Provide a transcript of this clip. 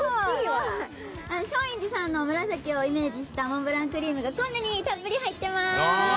松陰寺さんの紫をイメージしたモンブランクリームがこんなにたっぷり入ってます。